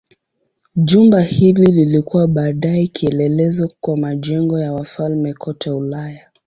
Jumba hili lilikuwa baadaye kielelezo kwa majengo ya wafalme kote Ulaya.